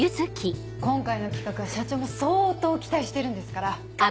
今回の企画は社長も相当期待してるんですからガツン！